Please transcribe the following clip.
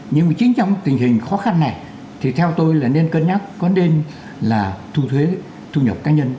nhưng mà chính trong tình hình khó khăn này thì theo tôi là nên cân nhắc có nên là thu thuế thu nhập cá nhân